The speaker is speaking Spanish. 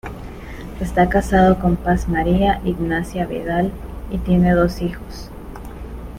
Está casado con Paz María Ignacia Vidal y tiene dos hijos.